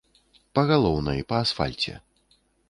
Па галоўнай, па асфальце.